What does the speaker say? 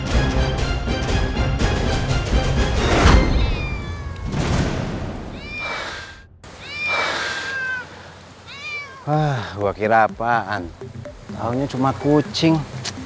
hai ah gua kira apaan tahunnya cuma kucing